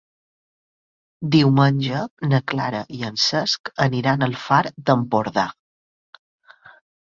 Diumenge na Clara i en Cesc aniran al Far d'Empordà.